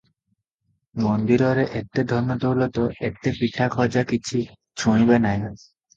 ମନ୍ଦିରରେ ଏତେ ଧନ ଦୌଲତ, ଏତେ ପିଠା ଖଜା କିଛି ଛୁଇଁବେ ନାହିଁ ।